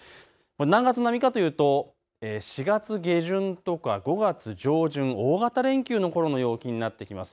何月並みかというと４月下旬とから５月上旬大型連休のころの陽気になってきます。